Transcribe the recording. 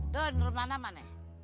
dun rumah nama nih